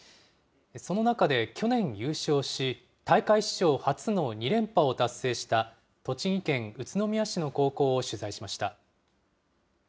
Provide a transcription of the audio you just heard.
その中で去年、優勝し、大会史上初の２連覇を達成した、栃木県宇都宮市の高校を取材しました。